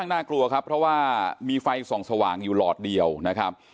แต่ว่ามีไฟส่องสว่างอยู่หลอดเดียวนะครับ